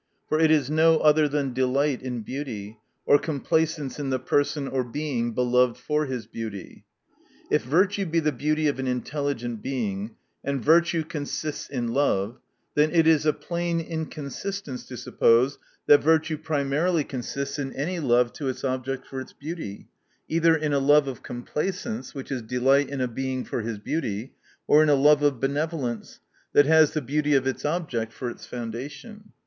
For it is no other than delight in beauty ; or complacence in the person or Being belov ed for his beauty. • If virtue be the beauty of an intelligent Being, and virtue consists in love, then it is a plain inconsistence, to suppose that virtue primarily consists in any love to its objectybr its beauty ; either in a love of complacence, which is de light in a Being for his beauty, or in a love of benevolence, that has the beauty of its object for its foundation.